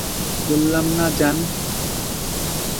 বললাম না যান!